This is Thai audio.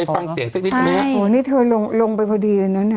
ไปฟังเสียงสักนิดนึงนะครับโอ้นี่เธอลงลงไปพอดีนะเนี่ย